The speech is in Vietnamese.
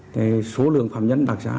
thì số lượng phạm nhân đặc xá